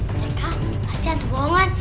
mereka pasti hantu bohongan